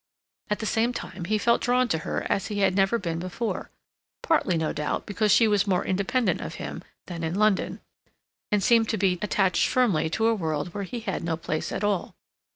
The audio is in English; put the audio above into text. At the same time, he felt drawn to her as he had never been before; partly, no doubt, because she was more independent of him than in London, and seemed to be attached firmly to a world where he had no place at all.